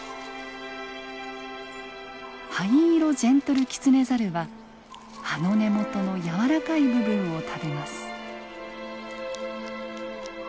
ハイイロジェントルキツネザルは葉の根元の軟らかい部分を食べます。